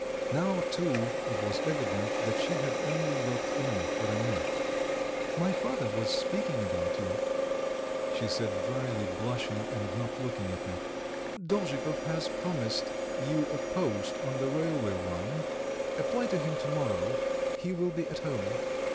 Now, too, it was evident that she had only looked in for a minute. "My father was speaking about you," she said drily, blushing and not looking at me. "Dolzhikov has promised you a post on the railway line. Apply to him to morrow; he will be at home."